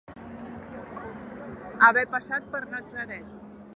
Haver passat per Natzaret.